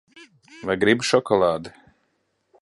Vai gribi šokolādi?